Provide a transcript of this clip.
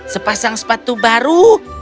sepasang sepatu baru